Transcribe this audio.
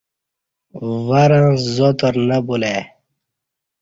ورں زاتر نہ بُلہ ای